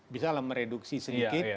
bisa lah mereduksi sedikit